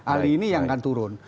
ali ini yang akan turun